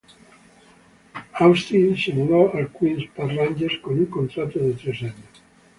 Austin se mudó al Queens Park Rangers, en un contrato de tres años.